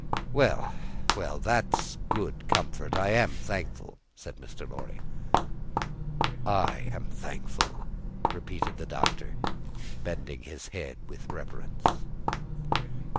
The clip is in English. "Well, well! That's good comfort. I am thankful!" said Mr. Lorry. "I am thankful!" repeated the Doctor, bending his head with reverence.